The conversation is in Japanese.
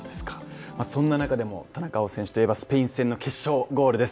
そんな中でも田中碧選手といえばスペイン戦の決勝ゴールです。